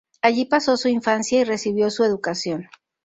Allí pasó su infancia y recibió su educación.